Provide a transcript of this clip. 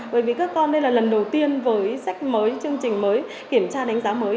bởi vì các con đây là lần đầu tiên với sách mới chương trình mới kiểm tra đánh giá mới